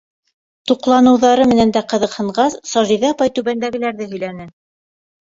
Туҡланыуҙары менән дә ҡыҙыҡһынғас, Сажиҙә апай түбәндәгеләрҙе һөйләне: